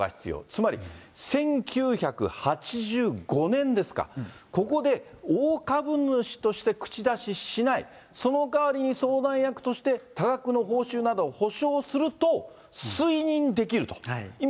つまり１９８５年ですか、ここで大株主として口出ししない、そのかわりに相談役として、多額の報酬など保証すると推認できると。